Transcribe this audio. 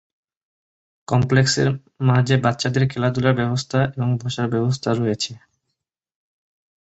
কমপ্লেক্সের মাঝে বাচ্চাদের খেলাধুলার ব্যবস্থা এবং বসার ব্যবস্থা রয়েছে।